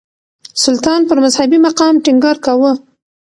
سلطان پر مذهبي مقام ټينګار کاوه.